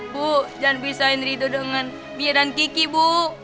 bu jangan pisahin ritu dengan dia dan kiki bu